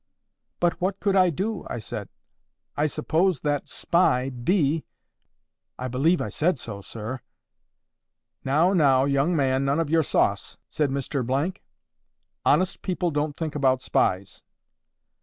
'But what could I do?' I said. 'I suppose that spy, B— ,'—I believe I said so, sir. 'Now, now, young man, none of your sauce!' said Mr— . 'Honest people don't think about spies.